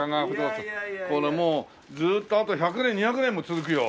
これもうずっとあと１００年２００年も続くよ。